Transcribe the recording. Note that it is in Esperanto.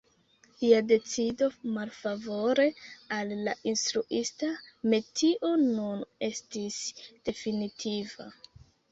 Lia decido malfavore al la instruista metio nun estis definitiva.